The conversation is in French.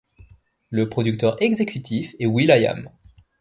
Le producteur exécutif est will.i.am.